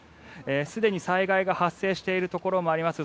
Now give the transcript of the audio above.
すでに災害が発生しているところもあります。